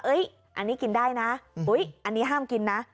เฮ้ยอันนี้กินได้นะอุ๊ยอันนี้ห้ามกินนะ